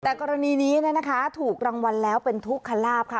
แต่กรณีนี้นะคะถูกรางวัลแล้วเป็นทุกขลาบค่ะ